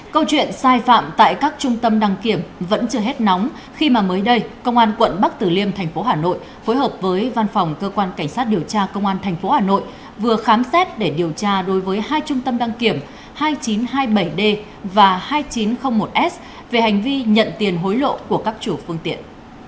câu chuyện sai phạm tại các trung tâm đăng kiểm vẫn chưa hết nóng khi mà mới đây công an quận bắc tử liêm thành phố hà nội phối hợp với văn phòng cơ quan cảnh sát điều tra công an tp hà nội vừa khám xét để điều tra đối với hai trung tâm đăng kiểm hai nghìn chín trăm hai mươi bảy d và hai nghìn chín trăm linh một s về hành vi nhận tiền hối lộ của các chủ phương tiện